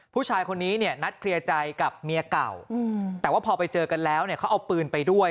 ผู้ชายคนนี้เนี่ยนัดเคลียร์ใจกับเมียเก่าแต่ว่าพอไปเจอกันแล้วเนี่ยเขาเอาปืนไปด้วย